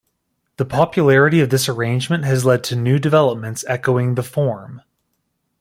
The popularity of this arrangement has led to new developments echoing the form.